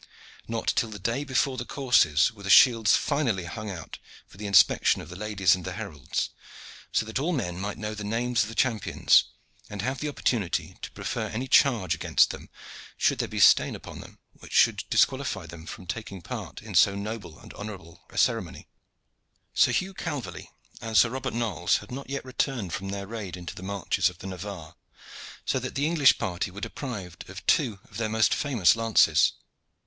Not till the day before the courses were the shields finally hung out for the inspection of the ladies and the heralds, so that all men might know the names of the champions and have the opportunity to prefer any charge against them, should there be stain upon them which should disqualify them from taking part in so noble and honorable a ceremony. Sir Hugh Calverley and Sir Robert Knolles had not yet returned from their raid into the marches of the Navarre, so that the English party were deprived of two of their most famous lances.